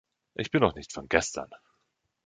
Ich bin doch nicht von gestern.